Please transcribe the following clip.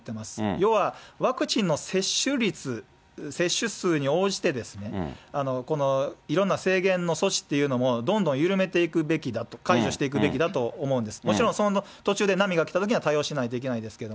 要はワクチンの接種率、接種数に応じて、いろんな制限の措置っていうのもどんどん緩めていくべきだと、解除していくべきだと思うんです。